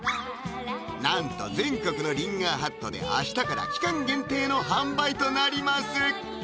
なんと全国のリンガーハットで明日から期間限定の販売となります